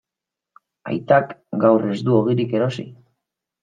Aitak gaur ez du ogirik erosi.